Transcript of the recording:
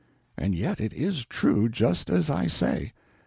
And yet it is true, just as I say.